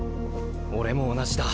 俺も同じだ。